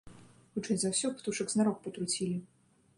Хутчэй за ўсё, птушак знарок патруцілі.